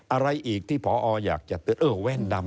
อะไรอีกที่ผออยากจะเตือน